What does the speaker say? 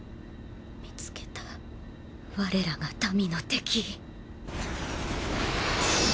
見つけた我らが民の敵！